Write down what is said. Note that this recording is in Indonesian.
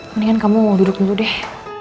mendingan kamu mau duduk dulu deh